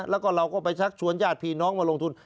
แล้วก็เราก็ไปชักชวนญาติพี่น้องมาลงทุน